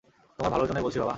তোমার ভালোর জন্যই বলছি বাবা।